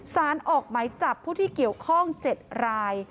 สารออกไหมจับผู้ที่เกี่ยวข้อง๗ราย